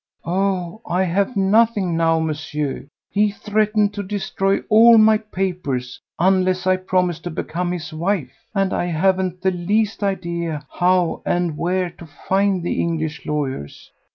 "Oh! I have nothing now, Monsieur—he threatened to destroy all my papers unless I promised to become his wife! And I haven't the least idea how and where to find the English lawyers.